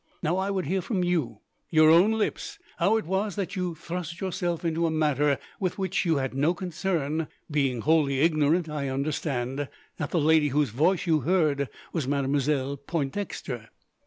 Now, I would hear from, your own lips, how it was that you thrust yourself into a matter with which you had no concern; being wholly ignorant, I understand, that the lady whose voice you heard was Mademoiselle Pointdexter."